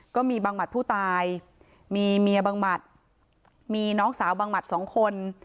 ก็มีบังหมัดผู้ตายมีเมียบังหมัดมีน้องสาวบังหมัดสองคน